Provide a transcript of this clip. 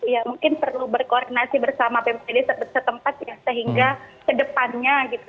ya mungkin perlu berkoordinasi bersama ppd setempat ya sehingga kedepannya gitu